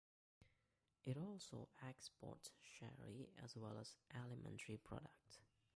It also exports sherry as well as alimentary products.